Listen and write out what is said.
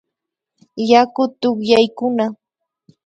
Yaku tukyaykuna